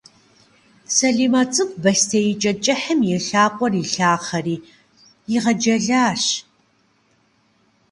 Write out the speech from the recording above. Салимэ цӏыкӏу бостеикӏэ кӏыхьым и лъакъуэр илъахъэри игъэджэлащ.